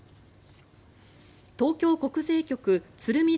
東京国税局鶴見